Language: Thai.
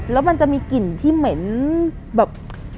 แล้วมันจะมีกลิ่นที่เหม็นแบบ